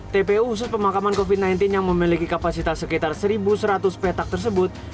tpu khusus pemakaman covid sembilan belas yang memiliki kapasitas sekitar satu seratus petak tersebut